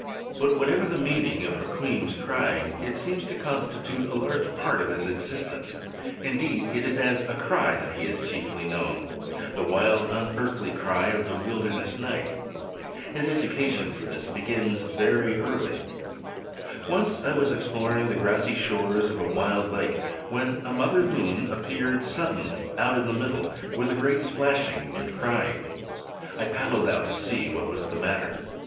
But whatever the meaning of Hukweem's crying, it seems to constitute a large part of his existence. Indeed, it is as a cry that he is chiefly known the wild, unearthly cry of the wilderness night. His education for this begins very early. Once I was exploring the grassy shores of a wild lake when a mother loon appeared suddenly, out in the middle, with a great splashing and crying. I paddled out to see what was the matter.